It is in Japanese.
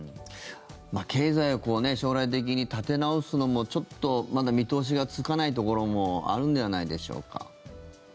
経済を将来的に立て直すのもちょっとまだ見通しがつかないところもあるんではないでしょうか。